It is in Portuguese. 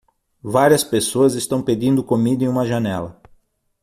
Várias pessoas estão pedindo comida em uma janela.